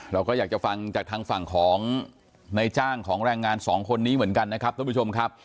เราก็อยากจะฟังจากทางฝั่งของในจ้างของแรงงานสองคนนี้เหมือนกันนะครับท่านผู้ชมครับ